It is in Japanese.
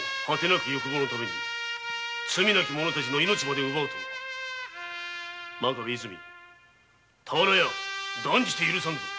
なき欲望のために罪なき者たちの命まで奪うとは真壁和泉田原屋断じて許さん